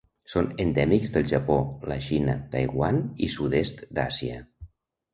Són endèmics del Japó, la Xina, Taiwan i sud-est d'Àsia.